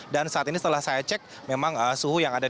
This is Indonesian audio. dan saat ini setelah saya cek memang suhu yang ada di situ